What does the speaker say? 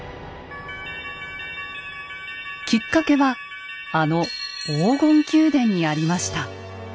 きっかけはあの黄金宮殿にありました。